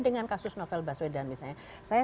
dengan kasus novel baswedan misalnya saya